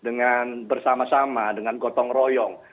dan kita harus berpikir sama sama dengan gotong royong